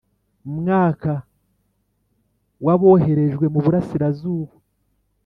Mu mwaka wa boherejwe mu burasirazuba